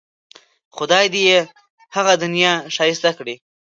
خدای دې یې هغه دنیا ښایسته کړي.